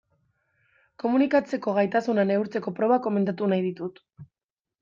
Komunikatzeko gaitasuna neurtzeko proba komentatu nahi ditut.